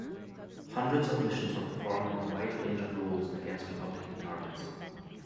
Hundreds of missions were performed in a wide range of roles against Republican targets.